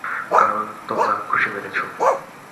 কারণ তোমরা ঘুষি মেরেছো।